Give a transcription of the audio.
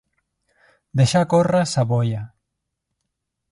Deixar córrer sa bolla.